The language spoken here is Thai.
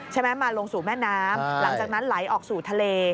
มาลงสู่แม่น้ำหลังจากนั้นไหลออกสู่ทะเล